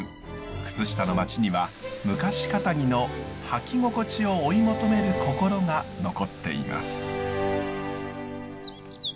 靴下の町には昔かたぎの履き心地を追い求める心が残っています。